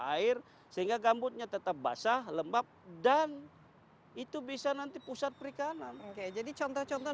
air sehingga gambutnya tetap basah lembab dan itu bisa nanti pusat perikanan oke jadi contoh contoh